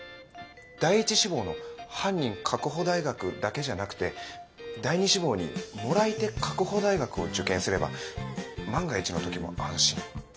第一志望の「犯人確保大学」だけじゃなくて第二志望に「貰い手確保大学」を受験すれば万が一の時も安心。